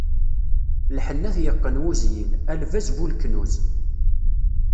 Lḥenni ad t-yeqqen wuzyin, a lbaz bu leknuz.